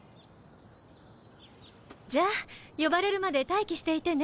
じゃあ呼ばれるまで待機していてね。